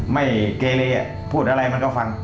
ไม่เกเลพูดอะไรมันก็ฟัง